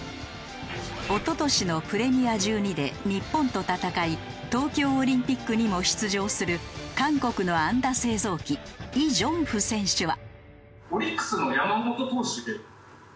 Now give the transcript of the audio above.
一昨年のプレミア１２で日本と戦い東京オリンピックにも出場する韓国の安打製造機イ・ジョンフ選手は。